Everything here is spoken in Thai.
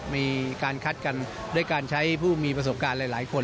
มีการคัดกันด้วยการใช้ผู้มีประสบการณ์หลายคน